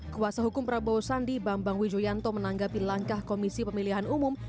kuasa hukum prabowo sandi bambang wijoyanto menanggapi langkah komisi pemilihan umum